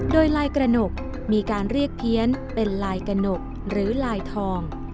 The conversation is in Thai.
โดยลายกระหนกมีการเรียกเพี้ยนเป็นลายกระหนกหรือลายทอง